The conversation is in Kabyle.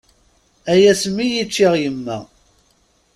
Ay asmi i ččiɣ yemma!